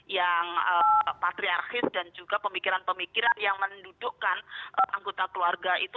yang patriarkis dan juga pemikiran pemikiran yang mendudukkan anggota keluarga itu